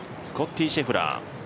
スコッティ・シェフラー